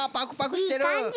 いいかんじ！